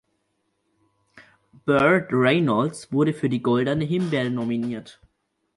Burt Reynolds wurde für die Goldene Himbeere nominiert.